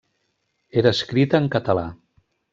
Era escrit en català.